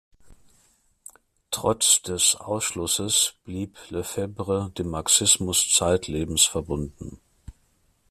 Trotz des Ausschlusses blieb Lefebvre dem Marxismus zeitlebens verbunden.